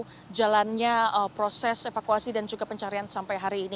untuk jalannya proses evakuasi dan juga pencarian sampai hari ini